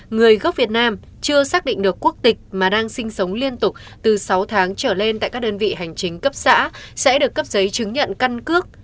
người gốc việt nam chưa xác định được quốc tịch mà đang sinh sống liên tục từ sáu tháng trở lên tại các đơn vị hành chính cấp xã sẽ được cấp giấy chứng nhận căn cước